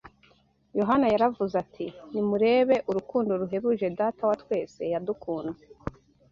Yohana yaravuze ati: “Nimurebe urukundo ruhebuje Data wa twese yadukunze